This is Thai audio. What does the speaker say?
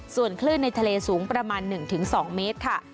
ส่วนคลื่นในทะเลสูงประมาณ๑๒เมตรค่ะ